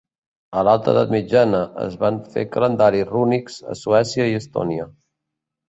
A l'alta edat mitjana, es van fer calendaris rúnics a Suècia i Estònia.